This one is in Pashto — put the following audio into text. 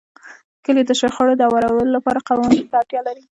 کلیو د شخړو د هواري لپاره قوانینو ته اړتیا لرله.